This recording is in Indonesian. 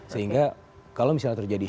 sehingga kalau misalnya terjadi